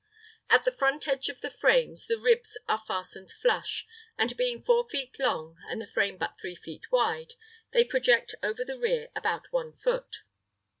At the front edge of the frames the ribs are fastened flush, and being 4 feet long and the frame but 3 feet wide, they project over the rear about 1 foot.